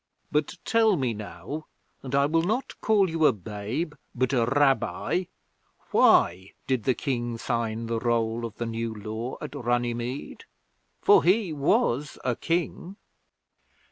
'But tell me now, and I will not call you a babe but a Rabbi, why did the King sign the roll of the New Law at Runnymede? For he was a King.'